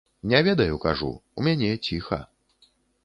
Не ведаю, кажу, у мяне ціха.